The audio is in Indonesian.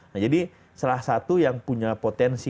nah jadi salah satu yang punya potensi